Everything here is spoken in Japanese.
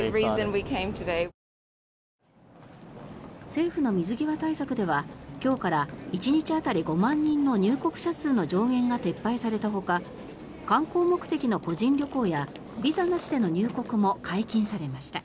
政府の水際対策では今日から１日当たり５万人の入国者数の上限が撤廃されたほか観光目的の個人旅行やビザなしでの入国も解禁されました。